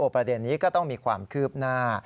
ประเด็นนี้ก็ต้องมีความคืบหน้า